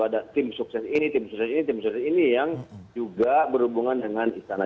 ada tim sukses ini tim sukses ini tim sukses ini yang juga berhubungan dengan istana